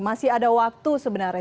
masih ada waktu sebenarnya